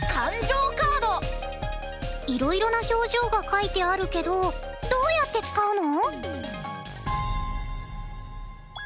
いろいろな表情が描いてあるけどどうやって使うの？